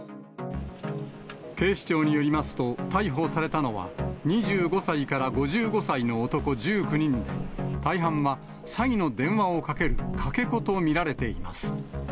警視庁によりますと、逮捕されたのは、２５歳から５５歳の男１９人で、大半は詐欺の電話をかける、かけ子と見られています。